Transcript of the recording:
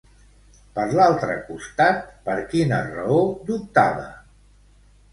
Per l'altre costat, per quina raó dubtava?